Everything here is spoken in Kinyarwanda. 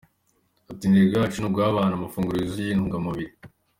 Ati “Intego yacu ni uguha abantu amafunguro yuzuye intungamubiri.